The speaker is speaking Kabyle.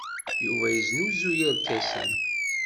Yuba yesnuzuy irkasen.